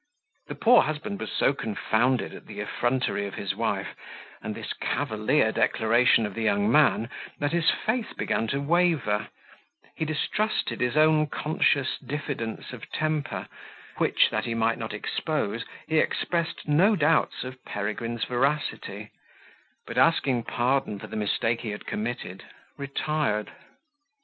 The poor husband was so confounded at the effrontery of his wife, and this cavalier declaration of the young man, that his faith began to waver; he distrusted his own conscious diffidence of temper, which, that he might not expose, he expressed no doubts of Peregrine's veracity; but, asking pardon for the mistake he had committed, retired.